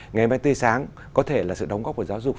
ngày mai tươi sáng có thể là sự đóng góp của giáo dục